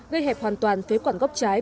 gây hẹp hoàn toàn phía quản góc trái